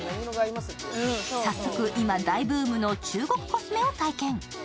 早速、今大ブームの中国コスメを体験。